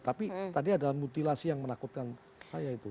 tapi tadi ada mutilasi yang menakutkan saya itu